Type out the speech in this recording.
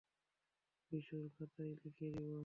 বিশুর খাতায় লিখে দিব।